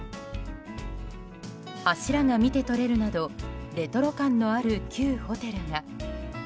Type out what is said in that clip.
柱が見て取れるなどレトロ感のある旧ホテルが。